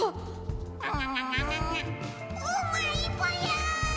うまいぽよ！